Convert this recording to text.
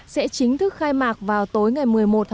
sẽ chính thức khai mạc vào tối ngày một mươi một